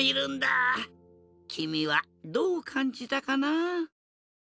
きみはどうかんじたかな？